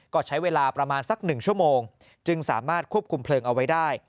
ก็ใช้เวลาประมาณสัก๑ชั่วโมงจึงสามารถควบคุมเพลิงเอาไว้ได้